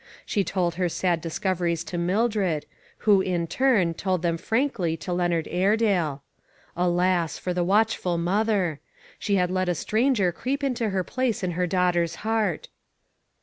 She told her sad discoveries to Mildred, who, in turn, told them frankly to Leonard Airedale. Alas ! for the watchful mother. She had let a stranger creep into her place in her daugh ter's heart.